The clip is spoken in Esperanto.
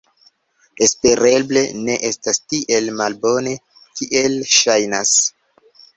Espereble ne estas tiel malbone, kiel ŝajnas.